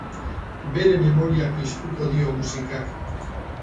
Bere memoria piztuko dio musikak.